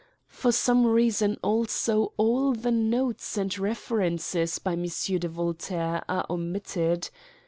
For some reason also all the notes and references by M. de Voltaire are omitted.